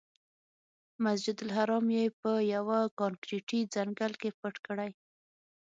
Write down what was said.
مسجدالحرام یې په یوه کانکریټي ځنګل کې پټ کړی.